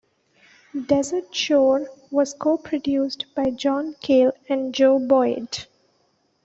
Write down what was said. "Desertshore" was co-produced by John Cale and Joe Boyd.